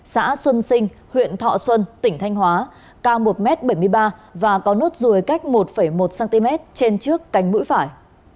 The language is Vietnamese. xã xuân sinh huyện thọ xuân tỉnh thanh hóa cao một m bảy mươi ba và có nốt ruồi cách một một cm trên trước cánh mũi phải